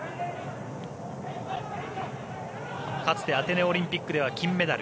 かつてアテネオリンピックでは金メダル。